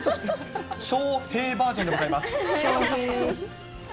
翔へぇ、バージョンでございます。